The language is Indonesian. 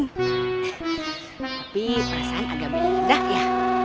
tapi perasaan agak beda ya